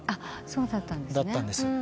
そうだったんですね。